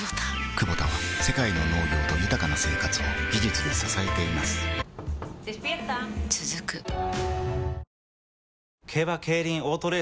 クボタは世界の農業と豊かな生活を技術で支えています起きて。